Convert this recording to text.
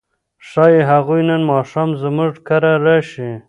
ښايي هغوی نن ماښام زموږ کره راشي.